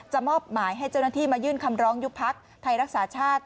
มอบหมายให้เจ้าหน้าที่มายื่นคำร้องยุบพักไทยรักษาชาติ